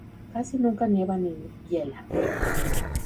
Casi nunca nieva ni hiela.